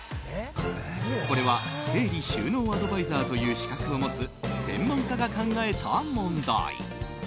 これは整理収納アドバイザーという資格を持つ専門家が考えた問題。